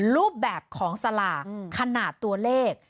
รูปแบบของสลากขนาดตัวเลข